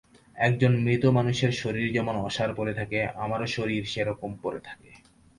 একজন মৃত মানুষের শরীর যেমন অসাড় পড়ে থাকে, আমার শরীরও সে-রকম পড়ে থাকে।